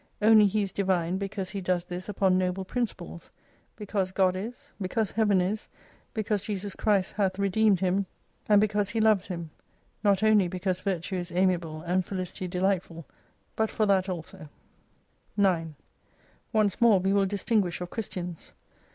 Only he is Divine because he does this upon noble principles ; because God is, because Heaven is, because Jesus Christ hath redeemed him, and because he loves 244 Him : not only because virtue is amiable, and felicity delightful, but for that also, 9 Once more we will distinguish of Christians.